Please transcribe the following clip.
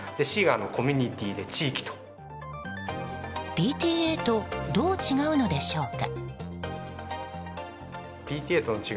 ＰＴＡとどう違うのでしょうか？